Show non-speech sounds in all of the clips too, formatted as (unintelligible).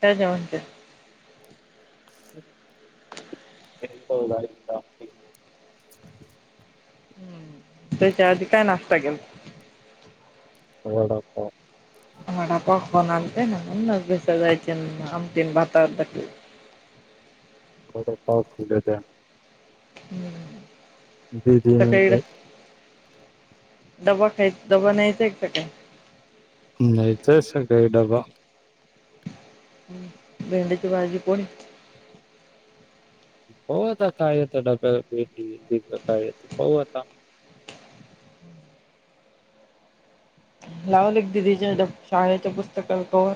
त्या जवणच्या (unintelligible) त्याच्या आधी काय नाश्ता केेला? वडा पाव. वडा पाव फोन आणते ना (unintelligible) जायचे आमटी न भात हो (unintelligible) हम्म. दिदि सकाळी (unintelligible) डबा खाय डबा न्यायचाय का काही? पेडबा. हम् भेंडीची भाजी पोनी पाहू आता काय येतं डब्या भेंडीची (unintelligible) (inaudible) लावलं एक दिदीच्या शाळेच्या पुस्तकला कवर.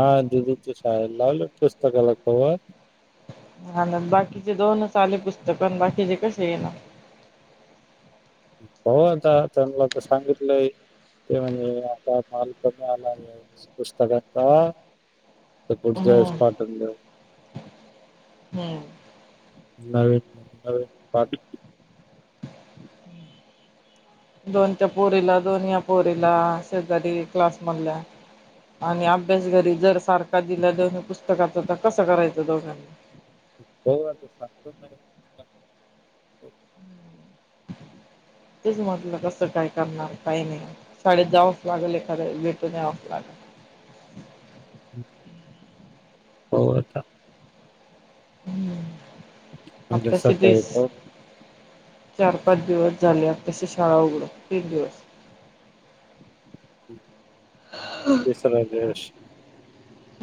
हा दिदीच्या शाळेला लावले पुस्तकाला कवर? हाना बाकीचे दोनच आले पुस्तक, बाकीचे कसे ये ना? हो आता त्यांला तर सांगितलंय. ते म्हणजे आता माल कमी आला आहे पुस्तकांचा. त पुढच्या वेळेस हम्म. पाटल नवीन हम्म. नवीन पाट दोन त्या पोरीला, दोन या पोरीला, शेजारी क्लास मणल्या आणि अभ्यास घरी जर सारखा दिला दोन्ही पुस्तकाचा तर कसं करायचं दोघांनी? हो आता (unintelligible) नाही तेच म्हटलं कसं काय करणार काही नाही शाेत जावच लागेल एखाद्या भेटून यावंच लागल हो आता हम्म उद्या आपता सकाळी सिद्धस पाहू चार पाच दिवस झाले अ तशी शाळा उघड तीन दिवस तेसर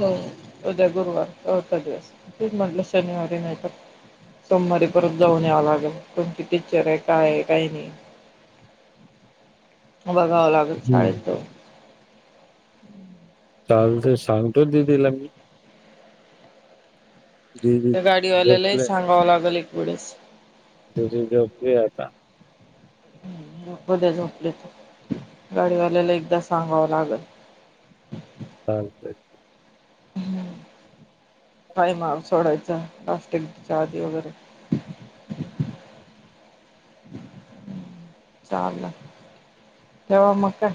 हो उद्या गुरुवार चढथ दिवस ते म्हटलं शनिवारी नाही तर समारी परत जाऊन यावं लागेल तुमची टी्चर आहे कायय काही नाही नाहि बागावां लागत शाडेेतो चालत सांगतो दिीदीला मी दीदी त्या गाडीवाल्यालाही सांगावं लागेल एक वेळेस दुदी लोप्रियता ह् ब्या झोपले तर गाडीवाल्याला एकदा सांगावं लागल हाच काय माफ सोडायचा प्लास्टिकच्या आधी वगैरे चाले जव म का